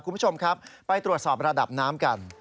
คุณผู้ชมครับไปตรวจสอบระดับน้ำกัน